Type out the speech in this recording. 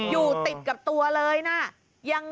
อยู่ติดกับตัวเลยนะ